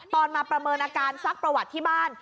มาประเมินอาการซักประวัติที่บ้าน